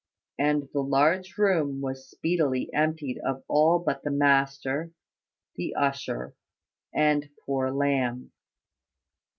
And the large room was speedily emptied of all but the master, the usher, and poor Lamb.